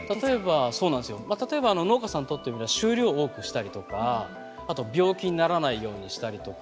例えば農家さんにとってみれば収量多くしたりとかあと病気にならないようにしたりとかあと計画的に畑を回すように。